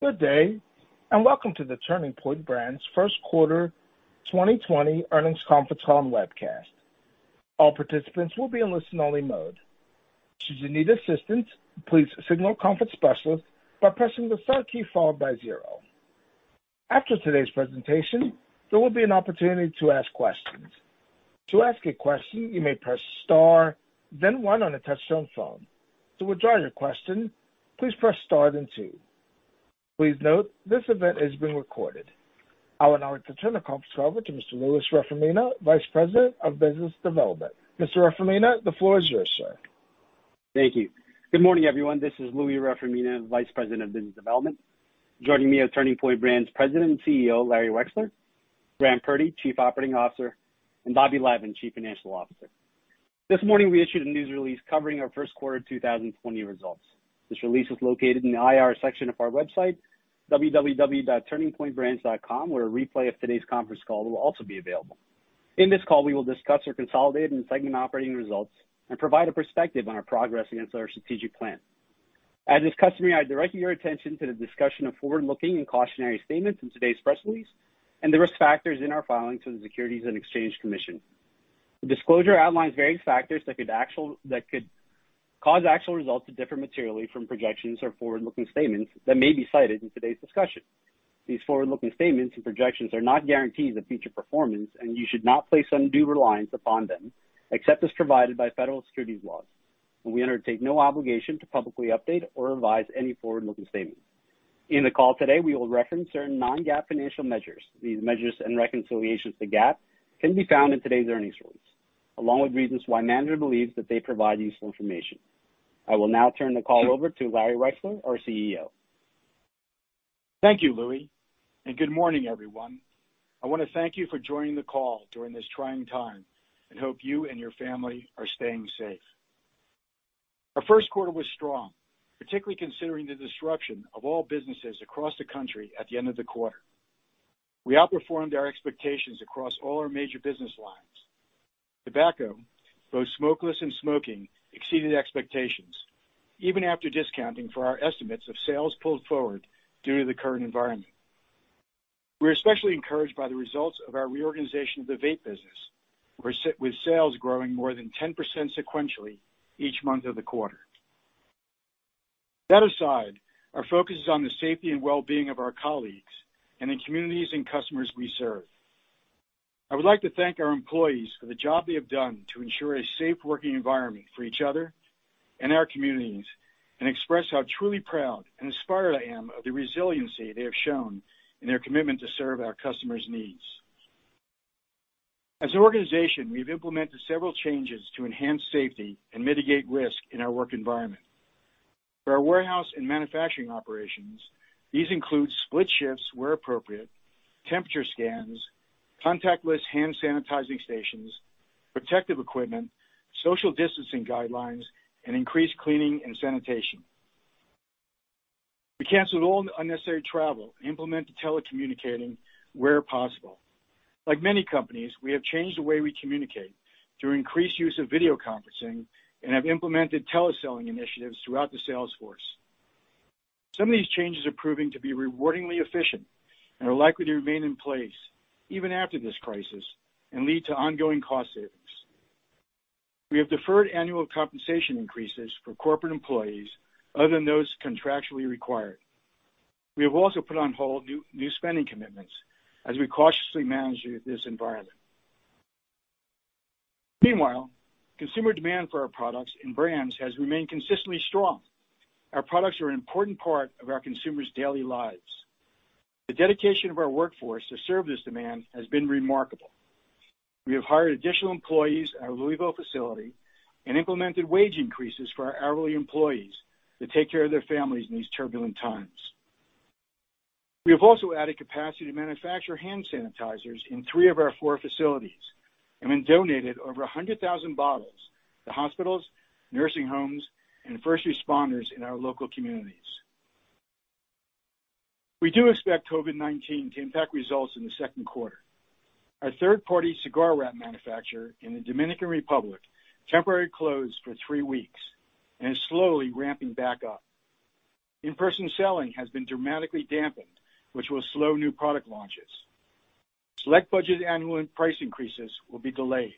Good day, welcome to the Turning Point Brands' first quarter 2020 earnings conference call and webcast. All participants will be in listen-only mode. Should you need assistance, please signal a conference specialist by pressing the star key followed by zero. After today's presentation, there will be an opportunity to ask questions. To ask a question, you may press star, then one on a touch-tone phone. To withdraw your question, please press star then two. Please note this event is being recorded. I would now like to turn the conference call over to Mr. Louie Reformina, Vice President of Business Development. Mr. Reformina, the floor is yours, sir. Thank you. Good morning, everyone. This is Louie Reformina, Vice President of Business Development. Joining me are Turning Point Brands President and CEO, Larry Wexler; Graham Purdy, Chief Operating Officer; and Bobby Lavan, Chief Financial Officer. This morning, we issued a news release covering our first quarter 2020 results. This release is located in the IR section of our website, www.turningpointbrands.com, where a replay of today's conference call will also be available. In this call, we will discuss our consolidated and segment operating results and provide a perspective on our progress against our strategic plan. As is customary, I direct your attention to the discussion of forward-looking and cautionary statements in today's press release and the risk factors in our filings with the Securities and Exchange Commission. The disclosure outlines various factors that could cause actual results to differ materially from projections or forward-looking statements that may be cited in today's discussion. These forward-looking statements and projections are not guarantees of future performance; you should not place undue reliance upon them, except as provided by federal securities laws. We undertake no obligation to publicly update or revise any forward-looking statements. In the call today, we will reference certain non-GAAP financial measures. These measures and reconciliations to GAAP can be found in today's earnings release, along with reasons why management believes that they provide useful information. I will now turn the call over to Larry Wexler, our CEO. Thank you, Louie, and good morning, everyone. I want to thank you for joining the call during this trying time and hope you and your family are staying safe. Our first quarter was strong, particularly considering the disruption of all businesses across the country at the end of the quarter. We outperformed our expectations across all our major business lines. Tobacco, both smokeless and smoking, exceeded expectations even after discounting for our estimates of sales pulled forward due to the current environment. We're especially encouraged by the results of our reorganization of the vape business, with sales growing more than 10% sequentially each month of the quarter. That aside, our focus is on the safety and well-being of our colleagues and the communities and customers we serve. I would like to thank our employees for the job they have done to ensure a safe working environment for each other and our communities, and express how truly proud and inspired I am of the resiliency they have shown in their commitment to serve our customers' needs. As an organization, we've implemented several changes to enhance safety and mitigate risk in our work environment. For our warehouse and manufacturing operations, these include split shifts where appropriate, temperature scans, contactless hand sanitizing stations, protective equipment, social distancing guidelines, and increased cleaning and sanitation. We canceled all unnecessary travel and implemented telecommunicating where possible. Like many companies, we have changed the way we communicate through increased use of video conferencing and have implemented teleselling initiatives throughout the sales force. Some of these changes are proving to be rewardingly efficient and are likely to remain in place even after this crisis and lead to ongoing cost savings. We have deferred annual compensation increases for corporate employees other than those contractually required. We have also put on hold new spending commitments as we cautiously manage this environment. Meanwhile, consumer demand for our products and brands has remained consistently strong. Our products are an important part of our consumers' daily lives. The dedication of our workforce to serve this demand has been remarkable. We have hired additional employees at our Louisville facility and implemented wage increases for our hourly employees to take care of their families in these turbulent times. We have also added capacity to manufacture hand sanitizers in three of our four facilities and then donated over 100,000 bottles to hospitals, nursing homes, and first responders in our local communities. We do expect COVID-19 to impact results in the second quarter. Our third-party cigarette manufacturer in the Dominican Republic temporarily closed for three weeks and is slowly ramping back up. In-person selling has been dramatically dampened, which will slow new product launches. Select budget annual, and price increases will be delayed.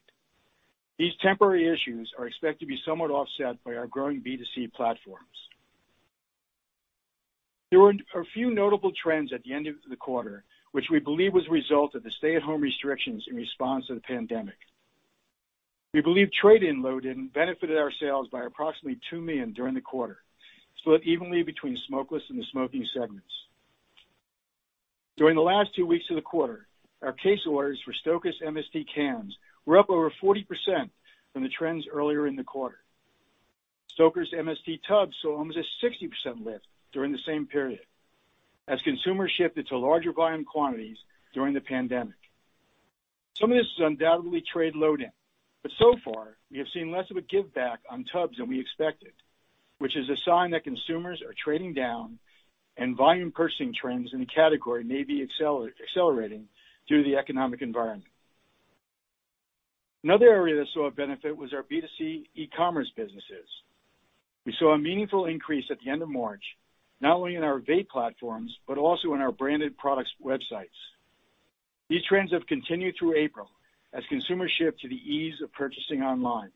These temporary issues are expected to be somewhat offset by our growing B2C platforms. There were a few notable trends at the end of the quarter, which we believe was a result of the stay-at-home restrictions in response to the pandemic. We believe trade-in load-in benefited our sales by approximately $2 million during the quarter, split evenly between smokeless and the smoking segments. During the last two weeks of the quarter, our case orders for Stoker's MST cans were up over 40% from the trends earlier in the quarter. Stoker's MST tubs saw almost a 60% lift during the same period as consumers shifted to larger volume quantities during the pandemic. Some of this is undoubtedly trade load-in. So far, we have seen less of a giveback on tubs than we expected, which is a sign that consumers are trading down and volume purchasing trends in the category may be accelerating due to the economic environment. Another area that saw a benefit was our B2C e-commerce businesses. We saw a meaningful increase at the end of March, not only in our vape platforms, but also in our branded products websites. These trends have continued through April as consumers shift to the ease of purchasing online.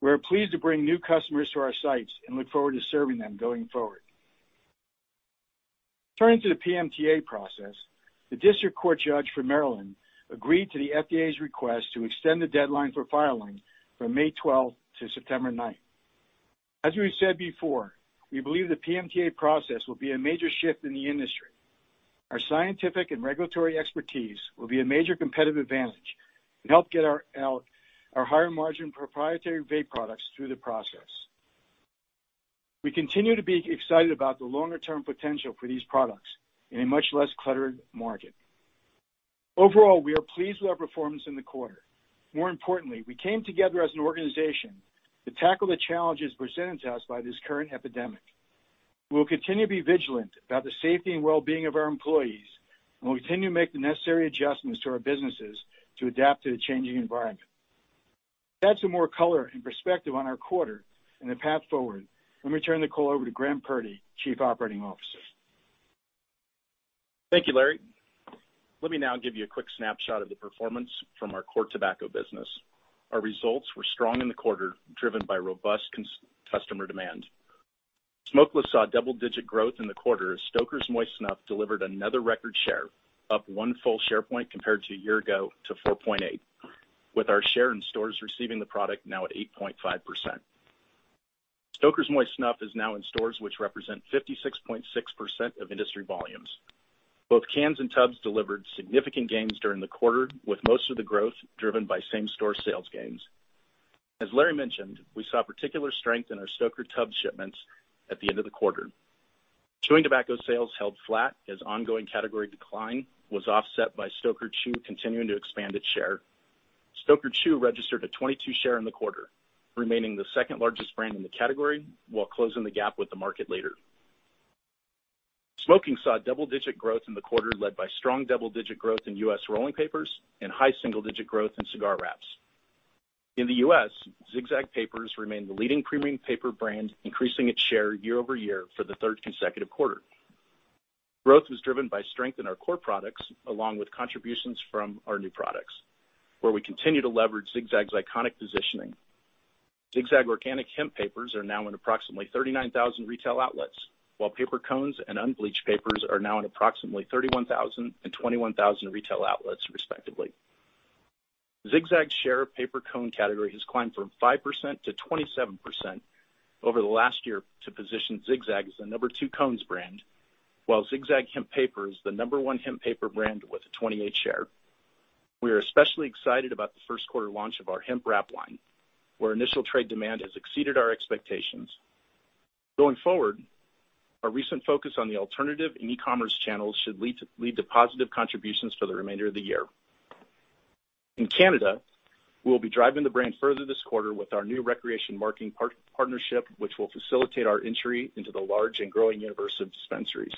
We're pleased to bring new customers to our sites and look forward to serving them going forward. Turning to the PMTA process, the district court judge for Maryland agreed to the FDA's request to extend the deadline for filing from May 12th to September 9th. As we've said before, we believe the PMTA process will be a major shift in the industry. Our scientific and regulatory expertise will be a major competitive advantage and help get our higher margin proprietary vape products through the process. We continue to be excited about the longer-term potential for these products in a much less cluttered market. Overall, we are pleased with our performance in the quarter. More importantly, we came together as an organization to tackle the challenges presented to us by this current epidemic. We will continue to be vigilant about the safety and wellbeing of our employees, and we'll continue to make the necessary adjustments to our businesses to adapt to the changing environment. To add some more color and perspective on our quarter and the path forward, let me turn the call over to Graham Purdy, Chief Operating Officer. Thank you, Larry. Let me now give you a quick snapshot of the performance from our core tobacco business. Our results were strong in the quarter, driven by robust customer demand. Smokeless saw double-digit growth in the quarter as Stoker's Moist Snuff delivered another record share, up one full share point compared to a year ago to 4.8%, with our share in stores receiving the product now at 8.5%. Stoker's Moist Snuff is now in stores which represent 56.6% of industry volumes. Both cans and tubs delivered significant gains during the quarter, with most of the growth driven by same-store sales gains. As Larry mentioned, we saw particular strength in our Stoker's tub shipments at the end of the quarter. Chewing tobacco sales held flat as ongoing category decline was offset by Stoker's Chew continuing to expand its share. Stoker's Chew registered a 22 share in the quarter, remaining the second-largest brand in the category while closing the gap with the market leader. Smoking saw double-digit growth in the quarter, led by strong double-digit growth in U.S. rolling papers and high single-digit growth in cigar wraps. In the U.S., Zig-Zag papers remain the leading premium paper brand, increasing its share year-over-year for the third consecutive quarter. Growth was driven by strength in our core products, along with contributions from our new products, where we continue to leverage Zig-Zag's iconic positioning. Zig-Zag Organic Hemp papers are now in approximately 39,000 retail outlets, while paper cones and unbleached papers are now in approximately 31,000 and 21,000 retail outlets respectively. Zig-Zag's share of paper cone category has climbed from 5%-27% over the last year to position Zig-Zag as the number two cones brand, while Zig-Zag hemp paper is the number one hemp paper brand with a 28% share. We are especially excited about the first quarter launch of our hemp wrap line, where initial trade demand has exceeded our expectations. Going forward, our recent focus on the alternative and e-commerce channels should lead to positive contributions for the remainder of the year. In Canada, we'll be driving the brand further this quarter with our new recreation marketing partnership, which will facilitate our entry into the large and growing universe of dispensaries.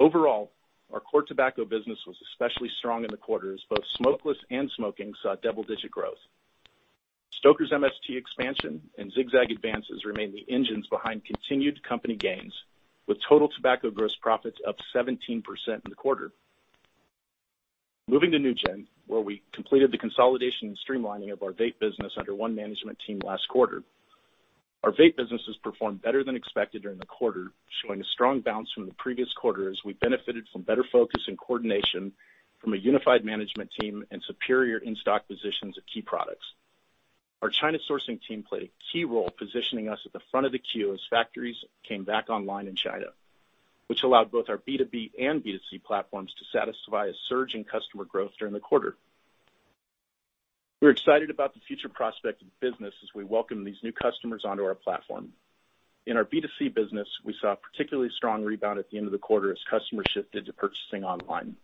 Overall, our core tobacco business was especially strong in the quarter as both smokeless and smoking saw double-digit growth. Stoker's MST expansion and Zig-Zag advances remain the engines behind continued company gains, with total tobacco gross profits up 17% in the quarter. Moving to NewGen, where we completed the consolidation and streamlining of our vape business under one management team last quarter. Our vape businesses performed better than expected during the quarter, showing a strong bounce from the previous quarter as we benefited from better focus and coordination from a unified management team and superior in-stock positions of key products. Our China sourcing team played a key role positioning us at the front of the queue as factories came back online in China, which allowed both our B2B and B2C platforms to satisfy a surge in customer growth during the quarter. We're excited about the future prospect of the business as we welcome these new customers onto our platform. In our B2C business, we saw a particularly strong rebound at the end of the quarter as customers shifted to purchasing online.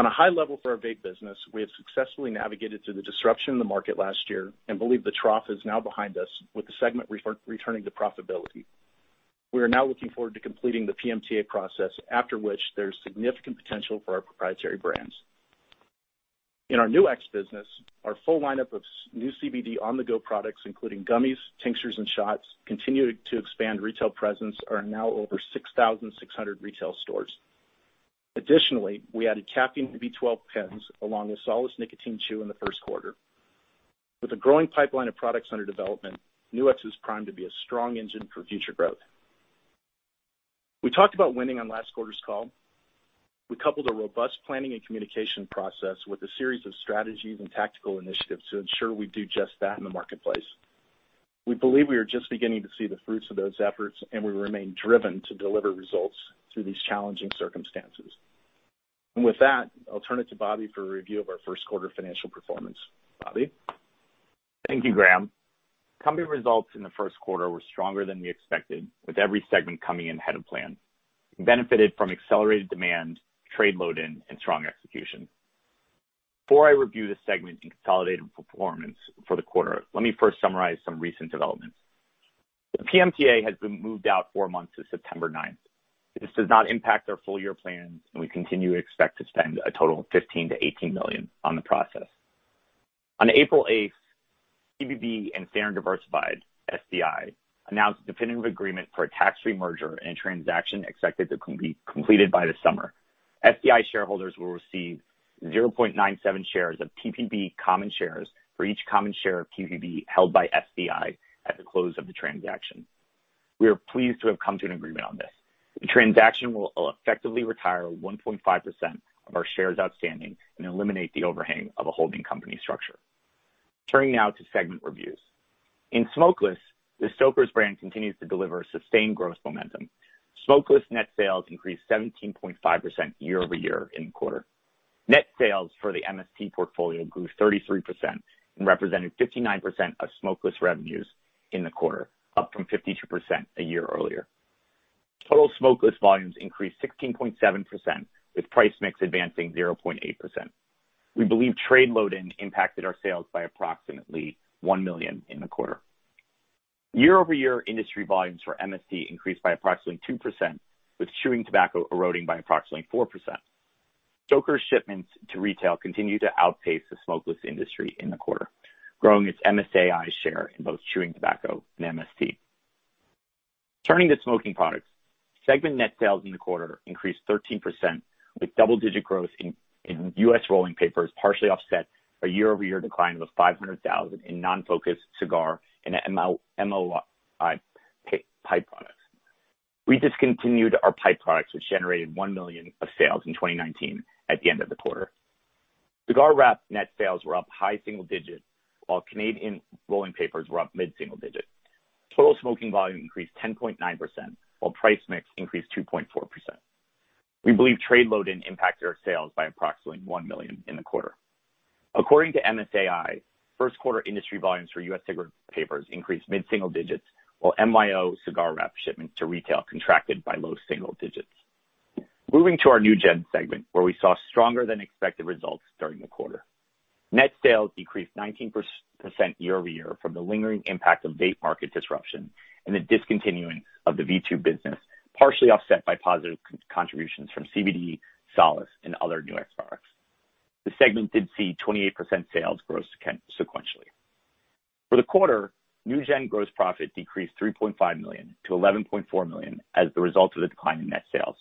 On a high level, for our vape business, we have successfully navigated through the disruption in the market last year and believe the trough is now behind us with the segment returning to profitability. We are now looking forward to completing the PMTA process, after which there's significant potential for our proprietary brands. In our NewX business, our full lineup of new CBD on-the-go products, including gummies, tinctures, and shots, continued to expand retail presence are now over 6,600 retail stores. Additionally, we added caffeine to be 12 pins, along with solid nicotine chew in the first quarter. With a growing pipeline of products under development, NewX is primed to be a strong engine for future growth. We talked about winning on last quarter's call. We coupled a robust planning and communication process with a series of strategies and tactical initiatives to ensure we do just that in the marketplace. We believe we are just beginning to see the fruits of those efforts. We remain driven to deliver results through these challenging circumstances. With that, I'll turn it to Bobby for a review of our first quarter financial performance. Bobby? Thank you, Graham. Company results in the first quarter were stronger than we expected, with every segment coming in ahead of plan. We benefited from accelerated demand, trade load-in, and strong execution. Before I review the segment and consolidated performance for the quarter, let me first summarize some recent developments. The PMTA has been moved out four months to September 9th. This does not impact our full-year plans, and we continue to expect to spend a total of $15 million-$18 million on the process. On April 8th, TPB and Standard Diversified, SDI, announced a definitive agreement for a tax-free merger and a transaction expected to be completed by the summer. SDI shareholders will receive $0.97 shares of TPB common shares for each common share of TPB held by SDI at the close of the transaction. We are pleased to have come to an agreement on this. The transaction will effectively retire 1.5% of our shares outstanding and eliminate the overhang of a holding company structure. Turning now to segment reviews. In smokeless, the Stoker's brand continues to deliver sustained gross momentum. Smokeless net sales increased 17.5% year-over-year in the quarter. Net sales for the MST portfolio grew 33% and represented 59% of smokeless revenues in the quarter, up from 52% a year earlier. Total smokeless volumes increased 16.7%, with price mix advancing 0.8%. We believe trade load-in impacted our sales by approximately $1 million in the quarter. Year-over-year industry volumes for MST increased by approximately 2%, with chewing tobacco eroding by approximately 4%. Stoker shipments to retail continue to outpace the smokeless industry in the quarter, growing its MSAi share in both chewing tobacco and MST. Turning to smoking products. Segment net sales in the quarter increased 13%, with double-digit growth in U.S. rolling papers partially offset a year-over-year decline of $500,000 in non-focused cigar and MYO pipe products. We discontinued our pipe products, which generated $1 million of sales in 2019 at the end of the quarter. Cigar wrap net sales were up high single digits, while Canadian rolling papers were up mid-single digits. Total smoking volume increased 10.9%, while price mix increased 2.4%. We believe trade load-in impacted our sales by approximately $1 million in the quarter. According to MSAi, first quarter industry volumes for U.S. cigarette papers increased mid-single digits, while MYO cigar wrap shipments to retail contracted by low single digits. Moving to our NewGen segment, where we saw stronger than expected results during the quarter. Net sales decreased 19% year-over-year from the lingering impact of vape market disruption and the discontinuing of the V2 business, partially offset by positive contributions from CBD, solid, and other NewX products. The segment did see 28% sales gross sequentially. For the quarter, NewGen gross profit decreased $3.5 million-$11.4 million as the result of the decline in net sales.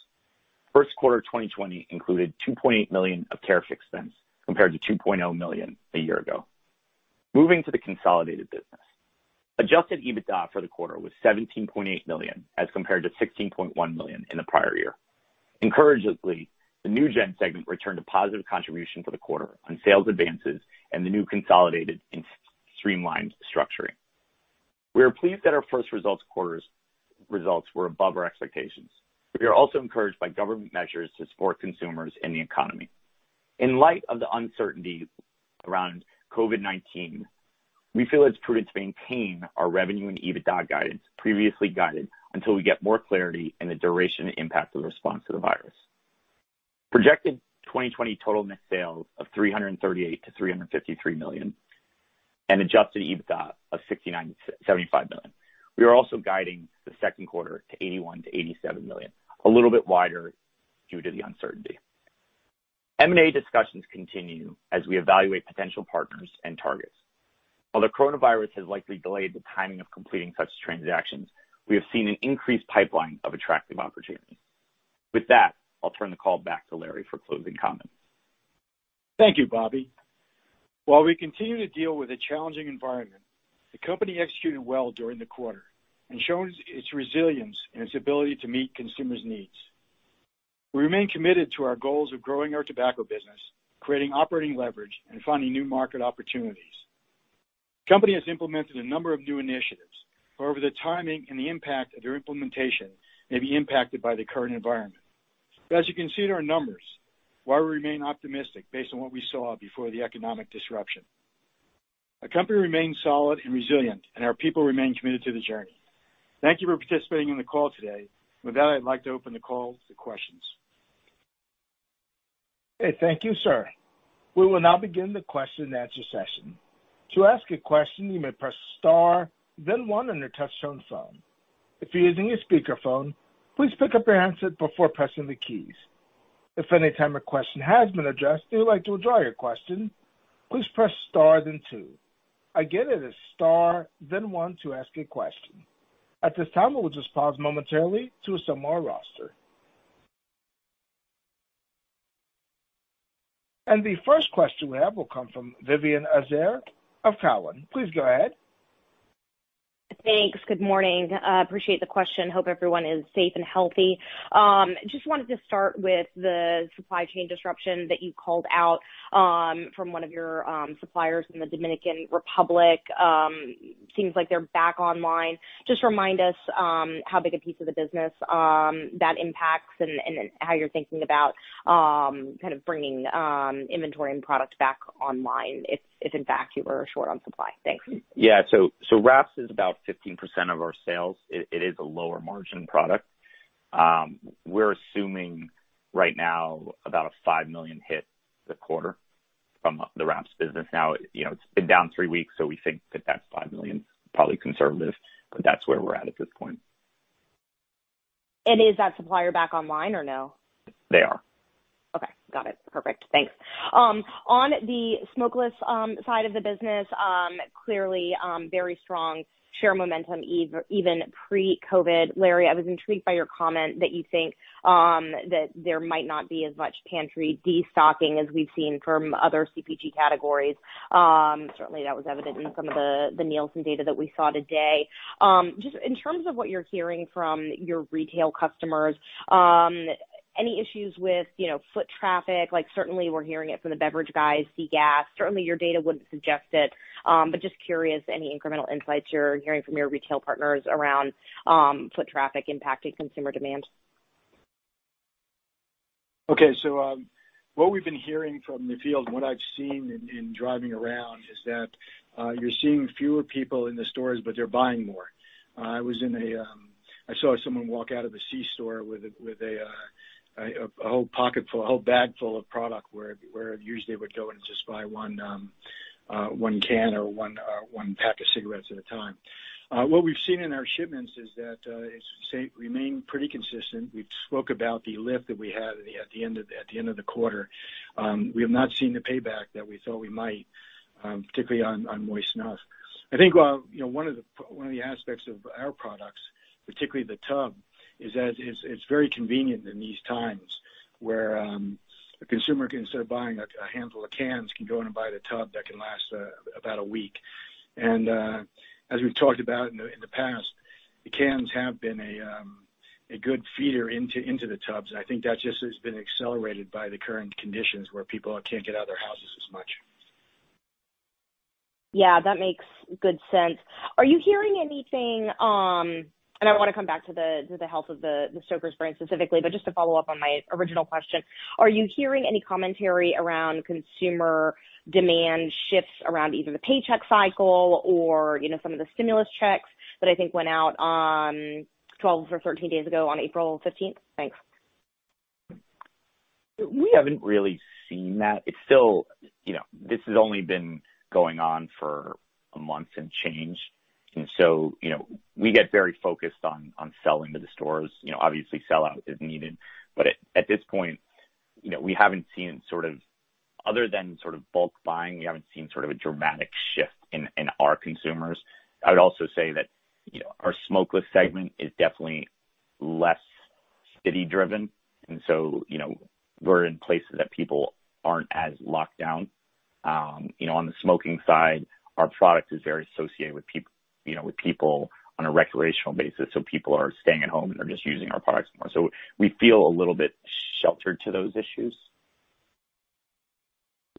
First quarter 2020 included $2.8 million of tariff expense compared to $2.0 million a year ago. Moving to the consolidated business. Adjusted EBITDA for the quarter was $17.8 million as compared to $16.1 million in the prior year. Encouragingly, the NewGen segment returned a positive contribution for the quarter on sales advances and the new consolidated and streamlined structuring. We are pleased that our first quarter's results were above our expectations. We are also encouraged by government measures to support consumers and the economy. In light of the uncertainty around COVID-19, we feel it's prudent to maintain our revenue and Adjusted EBITDA guidance previously guided until we get more clarity in the duration and impact of the response to the virus. Projected 2020 total net sales of $338 million-$353 million, and Adjusted EBITDA of $69 million-$75 million. We are also guiding the second quarter to $81 million-$87 million, a little bit wider due to the uncertainty. M&A discussions continue as we evaluate potential partners and targets. Although coronavirus has likely delayed the timing of completing such transactions, we have seen an increased pipeline of attractive opportunities. With that, I'll turn the call back to Larry for closing comments. Thank you, Bobby. While we continue to deal with a challenging environment, the company executed well during the quarter and shows its resilience in its ability to meet consumers' needs. We remain committed to our goals of growing our tobacco business, creating operating leverage, and finding new market opportunities. The company has implemented a number of new initiatives, however, the timing and the impact of their implementation may be impacted by the current environment. As you can see in our numbers, while we remain optimistic based on what we saw before the economic disruption. Our company remains solid and resilient, and our people remain committed to the journey. Thank you for participating in the call today. With that, I'd like to open the call to questions. Okay. Thank you, sir. We will now begin the question-and-answer session. To ask a question, you may press star then one on your touchtone phone. If you're using a speakerphone, please pick up your handset before pressing the keys. If any time a question has been addressed, and you'd like to withdraw your question, please press star then two. Again, it is star then one to ask a question. At this time, we'll just pause momentarily to assemble our roster. The first question we have will come from Vivien Azer of Cowen. Please go ahead. Thanks. Good morning. Appreciate the question. Hope everyone is safe and healthy. Just wanted to start with the supply chain disruption that you called out from one of your suppliers in the Dominican Republic. Seems like they're back online. Just remind us how big a piece of the business that impacts and then how you're thinking about kind of bringing inventory and product back online, if in fact you were short on supply. Thanks. Yeah. Wraps is about 15% of our sales. It is a lower margin product. We're assuming right now about a $5 million hit this quarter from the wraps business. It's been down three weeks, so we think that that $5 million is probably conservative, but that's where we're at at this point. Is that supplier back online or no? They are. Okay. Got it. Perfect. Thanks. On the smokeless side of the business, clearly, very strong share momentum, even pre-COVID. Larry, I was intrigued by your comment that you think that there might not be as much pantry de-stocking as we've seen from other CPG categories. Certainly, that was evident in some of the Nielsen data that we saw today. Just in terms of what you're hearing from your retail customers, any issues with foot traffic? Certainly, we're hearing it from the beverage guys, the gas. Certainly, your data wouldn't suggest it. Just curious any incremental insights you're hearing from your retail partners around foot traffic impacting consumer demand. Okay. What we've been hearing from the field, and what I've seen in driving around, is that you're seeing fewer people in the stores, but they're buying more. I saw someone walk out of a C store with a whole bag full of product, where usually they would go in and just buy one can or one pack of cigarettes at a time. What we've seen in our shipments is that it's remained pretty consistent. We spoke about the lift that we had at the end of the quarter. We have not seen the payback that we thought we might, particularly on moist snuff. I think one of the aspects of our products, particularly the tub, is that it's very convenient in these times where a consumer, instead of buying a handful of cans, can go in and buy the tub that can last about a week. As we've talked about in the past, the cans have been a good feeder into the tubs, and I think that just has been accelerated by the current conditions, where people can't get out of their houses as much. Yeah, that makes good sense. I want to come back to the health of the Stoker's brand specifically, but just to follow up on my original question, are you hearing any commentary around consumer demand shifts around either the paycheck cycle or some of the stimulus checks that I think went out 12 or 13 days ago on April 15th? Thanks. We haven't really seen that. This has only been going on for a month and change. We get very focused on selling to the stores. Obviously, sellout is needed. At this point, other than sort of bulk buying, we haven't seen a dramatic shift in our consumers. I would also say that our smokeless segment is definitely less city-driven. We're in places that people aren't as locked down. On the smoking side, our product is very associated with people on a recreational basis. People are staying at home and are just using our products more. We feel a little bit sheltered to those issues.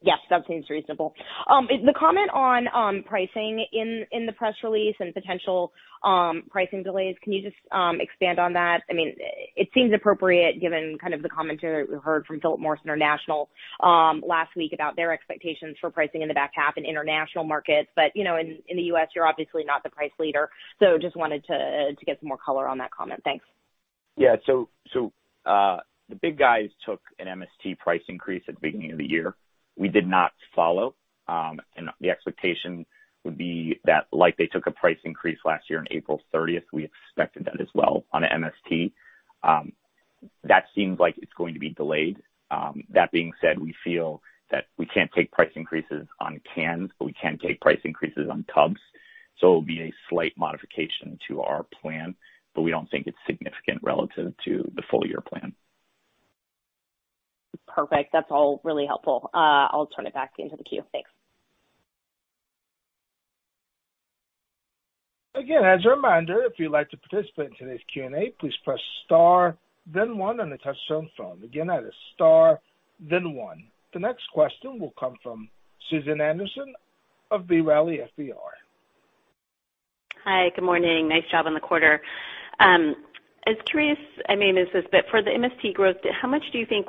Yes, that seems reasonable. The comment on pricing in the press release and potential pricing delays, can you just expand on that? It seems appropriate given kind of the commentary we heard from Philip Morris International last week about their expectations for pricing in the back half in international markets. In the U.S., you're obviously not the price leader, so just wanted to get some more color on that comment. Thanks. Yeah. The big guys took an MST price increase at the beginning of the year. We did not follow. The expectation would be that like they took a price increase last year on April 30th, we expected that as well on MST. That seems like it's going to be delayed. That being said, we feel that we can't take price increases on cans, but we can take price increases on tubs. It will be a slight modification to our plan, but we don't think it's significant relative to the full-year plan. Perfect. That's all really helpful. I'll turn it back into the queue. Thanks. Again, as a reminder, if you'd like to participate in today's Q&A, please press star then one on a touch-tone phone. Again, that is star then one. The next question will come from Susan Anderson of B. Riley FBR. Hi. Good morning. Nice job on the quarter. I was curious, for the MST growth, how much do you think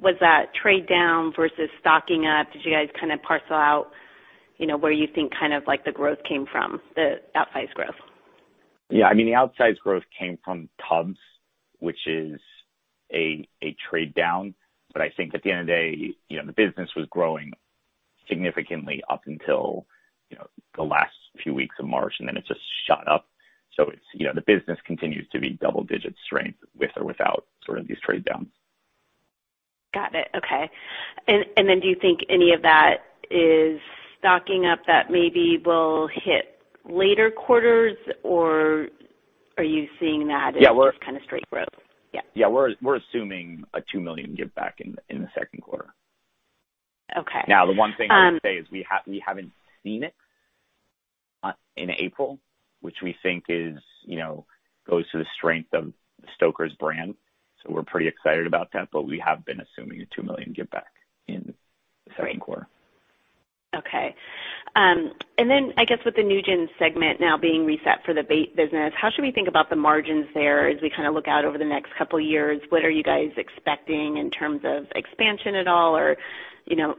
was that trade down versus stocking up? Did you guys kind of parcel out where you think the growth came from, the outsize growth? Yeah. The outsize growth came from tubs, which is a trade down. I think at the end of the day, the business was growing significantly up until the last few weeks of March, and then it just shot up. The business continues to be double-digit strength with or without sort of these trade downs. Got it. Okay. Do you think any of that is stocking up that maybe will hit later quarters, or are you seeing that as just kind of straight growth? Yeah. Yeah, we're assuming a $2 million give back in the second quarter. Okay. The one thing I would say is we haven't seen it in April, which we think goes to the strength of the Stoker's brand. We're pretty excited about that, but we have been assuming a $2 million give-back in the second quarter. Great. Okay. I guess with the NewGen segment now being reset for the vape business, how should we think about the margins there as we kind of look out over the next couple of years? What are you guys expecting in terms of expansion at all?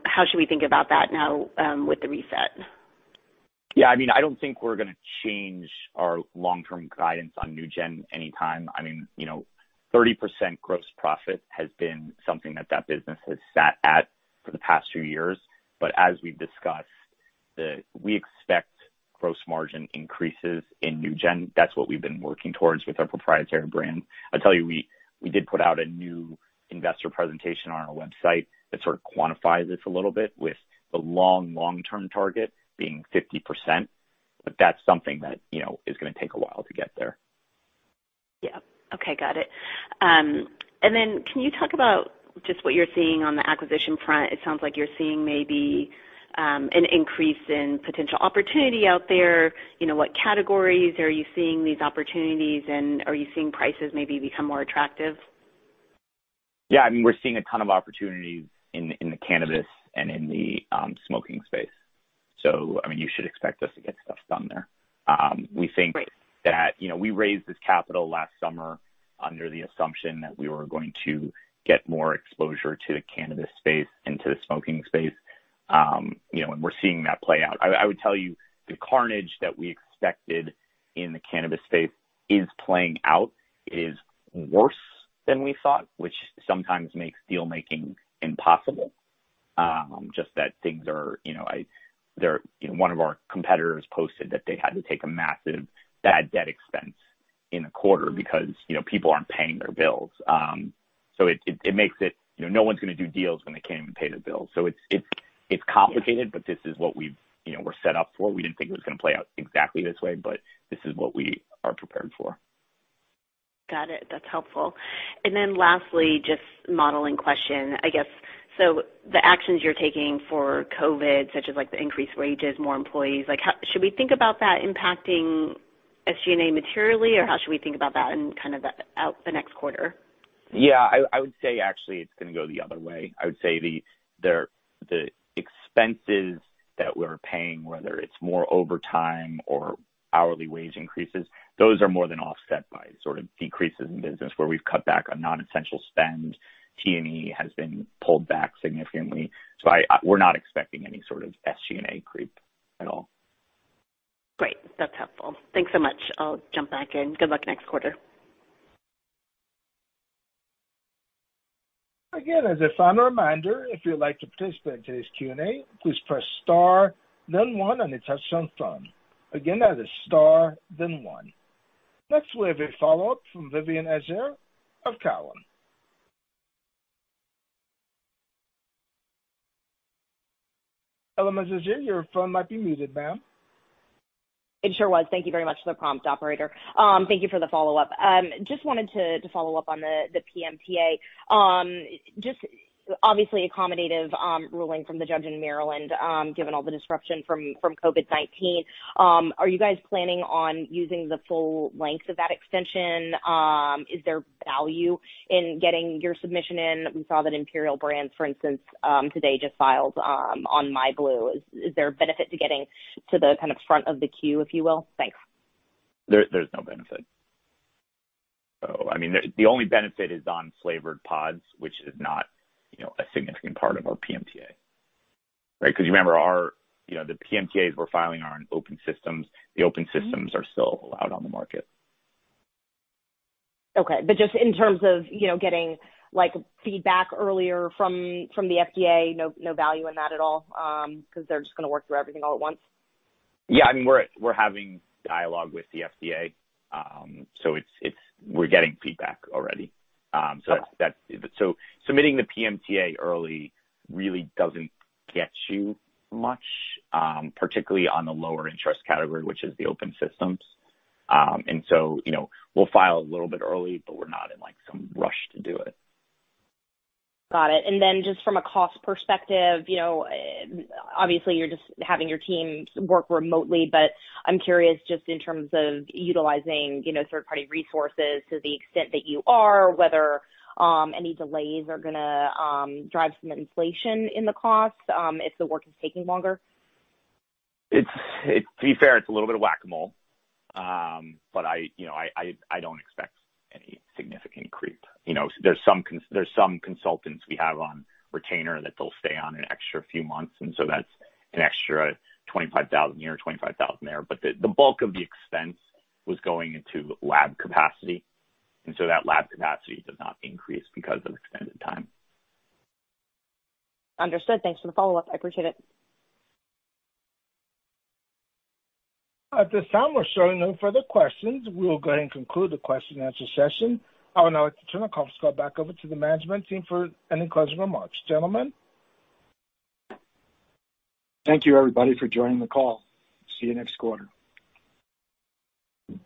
How should we think about that now with the reset? Yeah. I don't think we're going to change our long-term guidance on NewGen anytime. 30% gross profit has been something that business has sat at for the past few years. As we've discussed, we expect gross margin increases in NewGen. That's what we've been working towards with our proprietary brand. I tell you, we did put out a new investor presentation on our website that sort of quantifies this a little bit with the long-term target being 50%, but that's something that is going to take a while to get there. Yeah. Okay, got it. Can you talk about just what you're seeing on the acquisition front? It sounds like you're seeing maybe an increase in potential opportunity out there. What categories are you seeing these opportunities in? Are you seeing prices maybe become more attractive? Yeah. We're seeing a ton of opportunities in the cannabis and in the smoking space. You should expect us to get stuff done there. Great. We raised this capital last summer under the assumption that we were going to get more exposure to the cannabis space and to the smoking space, and we're seeing that play out. I would tell you, the carnage that we expected in the cannabis space is playing out. It is worse than we thought, which sometimes makes deal-making impossible. One of our competitors posted that they had to take a massive bad debt expense in a quarter because people aren't paying their bills. No one's going to do deals when they can't even pay their bills. It's complicated, but this is what we were set up for. We didn't think it was going to play out exactly this way, but this is what we are prepared for. Got it. That's helpful. Lastly, just a modeling question, I guess. The actions you're taking for COVID, such as the increased wages, more employees, should we think about that impacting SG&A materially, or how should we think about that in kind of the next quarter? Yeah. I would say, actually, it's going to go the other way. I would say the expenses that we're paying, whether it's more overtime or hourly wage increases, those are more than offset by decreases in business where we've cut back on non-essential spend. T&E has been pulled back significantly. We're not expecting any sort of SG&A creep at all. Great. That's helpful. Thanks so much. I'll jump back in. Good luck next quarter. Again, as a final reminder, if you'd like to participate in today's Q&A, please press star then one on your touchtone phone. Again, that is star then one. We have a follow-up from Vivien Azer of Cowen. Hello, Ms. Azer. Your phone might be muted, ma'am. It sure was. Thank you very much for the prompt, operator. Thank you for the follow-up. Just wanted to follow up on the PMTA. Just obviously accommodative ruling from the judge in Maryland, given all the disruption from COVID-19, are you guys planning on using the full length of that extension? Is there value in getting your submission in? We saw that Imperial Brands, for instance, today just filed on myblu. Is there a benefit to getting to the front of the queue, if you will? Thanks. There's no benefit. The only benefit is on flavored pods, which is not a significant part of our PMTA. Remember, the PMTAs we're filing are on open systems. The open systems are still allowed on the market. Okay. Just in terms of getting feedback earlier from the FDA, no value in that at all because they're just going to work through everything all at once. Yeah. We're having dialogue with the FDA, so we're getting feedback already. Okay. Submitting the PMTA early really doesn't get you much, particularly on the lower interest category, which is the open systems. We'll file a little bit early, but we're not in some rush to do it. Got it. Just from a cost perspective, obviously you're just having your team work remotely, but I'm curious, just in terms of utilizing third-party resources to the extent that you are, whether any delays are going to drive some inflation in the cost if the work is taking longer. To be fair, it's a little bit of whack-a-mole. I don't expect any significant creep. There's some consultants we have on retainer that they'll stay on an extra few months, and so that's an extra $25,000 here, $25,000 there. The bulk of the expense was going into lab capacity, and so that lab capacity does not increase because of extended time. Understood. Thanks for the follow-up. I appreciate it. At this time, we're showing no further questions. We will go ahead and conclude the question and answer session. I would now like to turn the conference call back over to the management team for any closing remarks. Gentlemen? Thank you, everybody for joining the call. See you next quarter. All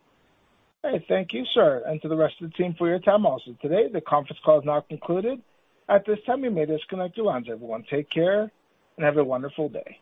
right. Thank you, sir. To the rest of the team for your time also today. The conference call is now concluded. At this time, you may disconnect your lines. Everyone, take care, and have a wonderful day.